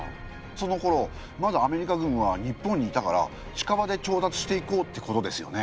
そのころまだアメリカ軍は日本にいたから近場で調達していこうってことですよね。